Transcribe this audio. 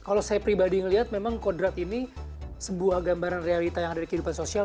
kalau saya pribadi melihat memang kodrat ini sebuah gambaran realita yang ada di kehidupan sosial